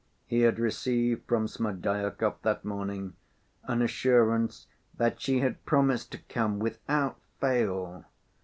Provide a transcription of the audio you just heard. He had received from Smerdyakov that morning an assurance "that she had promised to come without fail."